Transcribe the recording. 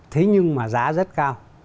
thế nhưng mà giá rất cao